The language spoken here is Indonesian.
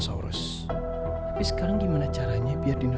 bar sabar sebentar tayu